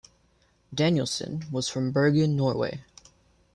Danielssen was from Bergen, Norway.